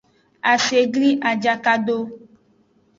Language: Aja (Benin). Ase gli ajaka do.